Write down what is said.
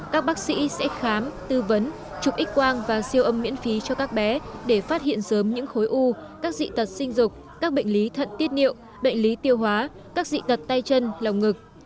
các bác sĩ sẽ khám tư vấn chụp x quang và siêu âm miễn phí cho các bé để phát hiện sớm những khối u các dị tật sinh dục các bệnh lý thận tiết niệu bệnh lý tiêu hóa các dị tật tay chân lồng ngực